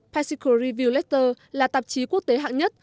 pesico review letter là tạp chí quốc tế hạng nhất